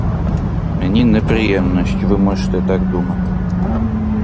Мені неприємно, що ви можете так думати.